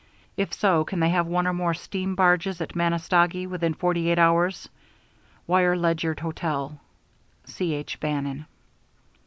If so, can they have one or more steam barges at Manistogee within forty eight hours? Wire Ledyard Hotel. C. H. BANNON.